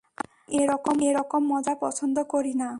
আমি এরকম মজা পছন্দ করি না।